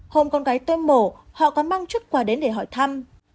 hôm con gái tôi mổ họ có mang chúc quà đến để hỏi thăm